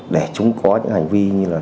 để chúng có những hành vi như là